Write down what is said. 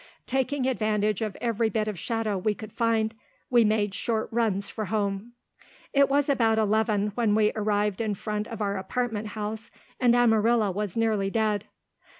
Taking advantage of every bit of shadow we could find, we made short runs for home. It was about eleven when we arrived in front of our apartment house, and Amarilla was nearly dead.